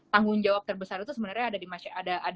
tanggung jawab terbesar itu sebenarnya ada di masyarakat